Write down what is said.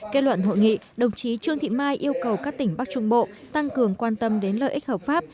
kết luận hội nghị đồng chí trương thị mai yêu cầu các tỉnh bắc trung bộ tăng cường quan tâm đến lợi ích hợp pháp